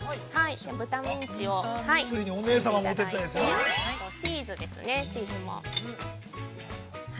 豚ミンチを入れていただいてチーズですね、チーズも。